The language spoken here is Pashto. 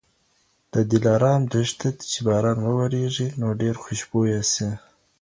د دلارام دښتې ته چي باران وورېږي نو ډېر خوشبويه سي